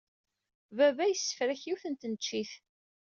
Baba yessefrak yiwet n tneččit.